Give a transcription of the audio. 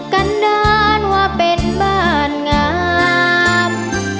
กันนานว่าเป็นบ้านงาม